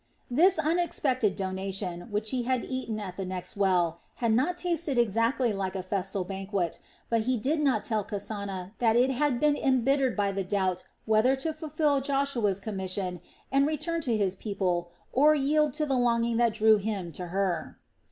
This unexpected donation, which he had eaten at the next well, had not tasted exactly like a festal banquet, but he did not tell Kasana that it had been embittered by the doubt whether to fulfil Joshua's commission and return to his people or yield to the longing that drew him to her.